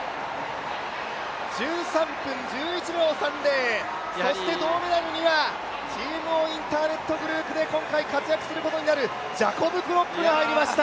１３分１１秒３０そして銅メダルにはＧＭＯインターネットグループで今回活躍することになるジャコブ・クロップが入りました。